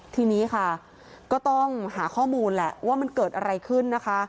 ทีนี้ค่ะก็ต้องหาข้อมูลแหละว่ามันเกิดอะไรขึ้นนะคะ